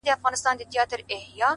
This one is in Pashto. راسه قباله يې درله در کړمه’